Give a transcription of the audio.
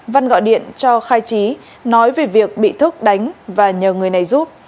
văn gọi điện cho khai trí nói về việc bị thức đánh và nhờ người này giúp